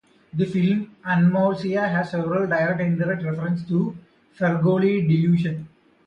The film "Anomalisa" has several direct and indirect references to Fregoli delusion.